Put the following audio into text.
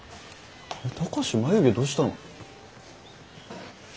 貴志眉毛どしたの？